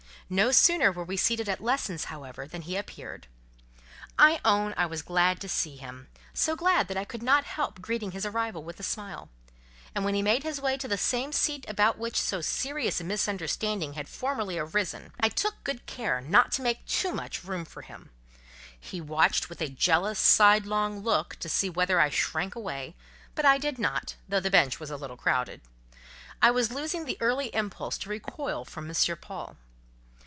No sooner were we seated at lessons, however, than he appeared. I own I was glad to see him, so glad that I could not help greeting his arrival with a smile; and when he made his way to the same seat about which so serious a misunderstanding had formerly arisen, I took good care not to make too much room for him; he watched with a jealous, side long look, to see whether I shrank away, but I did not, though the bench was a little crowded. I was losing the early impulse to recoil from M. Paul.